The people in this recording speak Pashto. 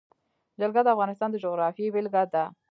جلګه د افغانستان د جغرافیې بېلګه ده.